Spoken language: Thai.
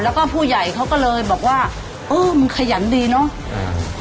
แล้วก็ผู้ใหญ่เขาก็เลยบอกว่าเออมันขยันดีเนอะ